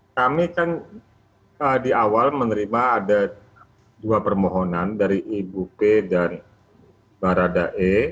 kami kan di awal menerima ada dua permohonan dari ibu p dan baradae